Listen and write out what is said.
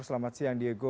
selamat siang diego